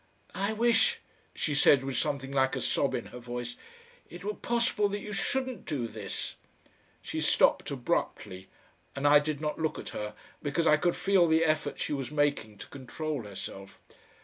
"I wish," she said, with something like a sob in her voice, "it were possible that you shouldn't do this." She stopped abruptly, and I did not look at her, because I could feel the effort she was making to control herself.